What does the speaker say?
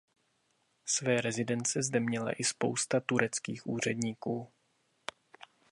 Své rezidence zde měla i spousta tureckých úředníků.